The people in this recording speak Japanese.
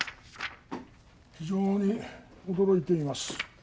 非常に驚いています。